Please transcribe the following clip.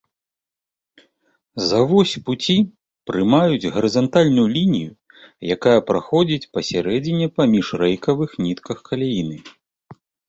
За вось пуці прымаюць гарызантальную лінію, якая праходзіць пасярэдзіне паміж рэйкавых нітках каляіны.